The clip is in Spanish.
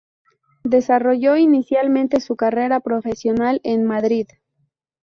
Desarrolló inicialmente su carrera profesional en Madrid.